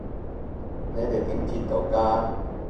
你哋點截圖㗎？